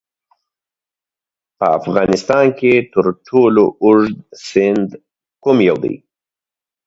په افغانستان کې تر ټولو اوږد سیند کوم یو دی؟